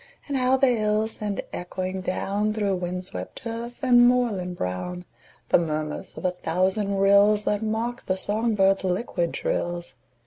And how the hills send echoing down, Through wind swept turf and moorland brown, The murmurs of a thousand rills That mock the song birds' liquid trills!